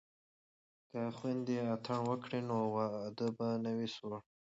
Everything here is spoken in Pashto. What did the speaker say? که خویندې اتڼ وکړي نو واده به نه وي سوړ.